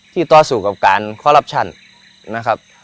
ที่ตอบสู่กับการคอรับชันนะครับ